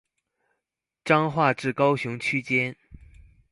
彰化至高雄區間